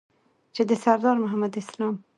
چې د سردار محمد اسلام